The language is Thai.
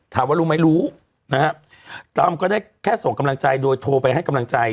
รู้ไหมรู้นะฮะตั้มก็ได้แค่ส่งกำลังใจโดยโทรไปให้กำลังใจ